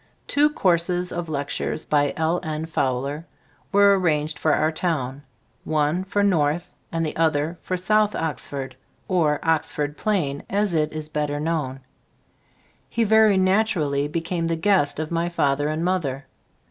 Two courses of lectures by L. N. Fowler were ar ranged for our town; one for North and the other for South Oxford, or Gbe Storg of &v C W fobooft 1 1 1 "Oxford Plain," as it is better known. He very naturally became the guest of my father and mother.